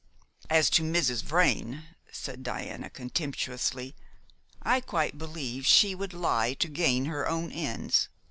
"As to Mrs. Vrain," said Diana contemptuously, "I quite believe she would lie to gain her own ends.